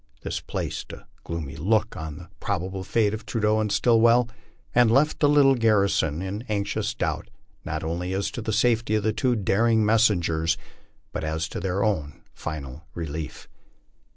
This placed a gloomy look upon the probable fate of Trudeau and Stillwell, and left the little garrison in anxious doubt not only as to the safety of the two daring messengers, but as to their own final relief.